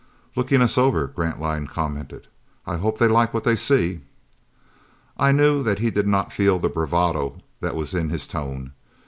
"Looking us over," Grantline commented. "I hope they like what they see." I knew that he did not feel the bravado that was in his tone.